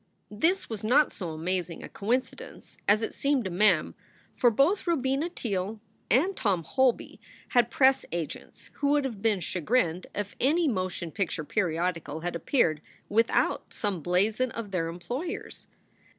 This was not so amazing a coincidence as it seemed to Mem, for both Robina Teele and Tom Holby had press agents who would have been chagrined if any motion picture periodical had appeared without some blazon of their employers.